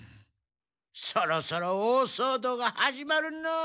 そろそろ大そう動が始まるのう。